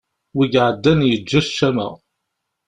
Wi iɛaddan yeǧǧa ccama.